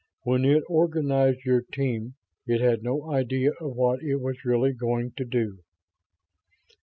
When it organized your team it had no idea of what it was really going to do...."